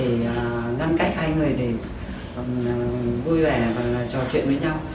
vì tuổi tác mà để ngăn cách hai người để vui vẻ và trò chuyện với nhau